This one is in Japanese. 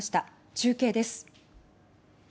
中継です。